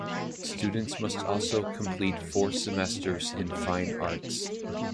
Students must also complete four semesters in Fine Arts.